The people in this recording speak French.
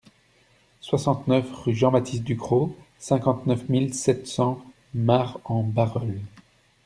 soixante-neuf rue Jean-Baptiste Ducrocq, cinquante-neuf mille sept cents Marcq-en-Barœul